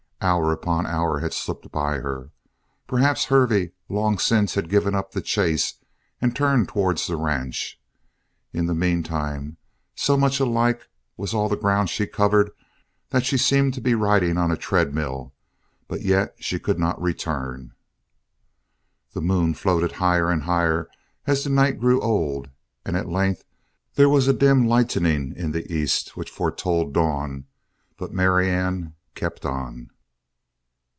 Hour upon hour had slipped by her. Perhaps Hervey long since had given up the chase and turned towards the ranch. In the meantime, so much alike was all the ground she covered that she seemed to be riding on a treadmill but yet she could not return. The moon floated higher and higher as the night grew old and at length there was a dim lightening in the east which foretold dawn, but Marianne kept on.